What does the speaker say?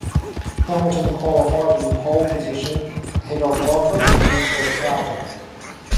Hamilton qualified in pole position ahead of Bottas and Verstappen.